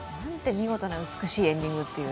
見事な美しいエンディングという。